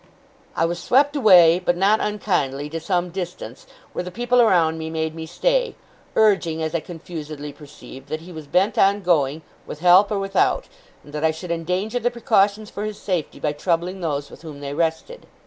I was swept away, but not unkindly, to some distance, where the people around me made me stay; urging, as I confusedly perceived, that he was bent on going, with help or without, and that I should endanger the precautions for his safety by troubling those with whom they rested.